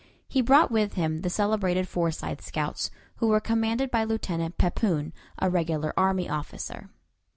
He brought with him the celebrated Forsyth scouts, who were commanded by Lieutenant Pepoon, a regular army officer.